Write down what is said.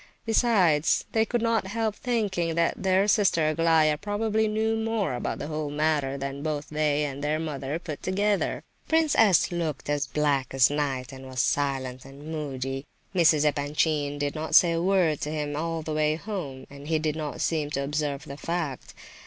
Besides, they could not help thinking that their sister Aglaya probably knew more about the whole matter than both they and their mother put together. Prince S. looked as black as night, and was silent and moody. Mrs. Epanchin did not say a word to him all the way home, and he did not seem to observe the fact.